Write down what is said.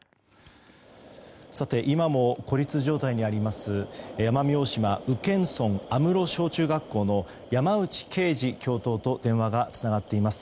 今も孤立状態にあります奄美大島宇検村阿室小中学校の山内啓二教頭と電話がつながっています。